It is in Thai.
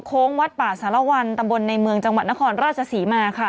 วัดป่าสารวัลตำบลในเมืองจังหวัดนครราชศรีมาค่ะ